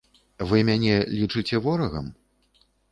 Вы мяне лічыце ворагам?